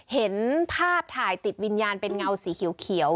เห็นภาพถ่ายติดวิญญาณเป็นเงาสีเขียว